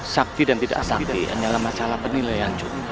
sakti dan tidak sakti hanyalah masalah penilaian juga